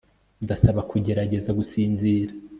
ndasaba kugerageza gusinzira